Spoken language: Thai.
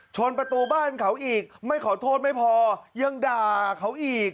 ประตูบ้านเขาอีกไม่ขอโทษไม่พอยังด่าเขาอีก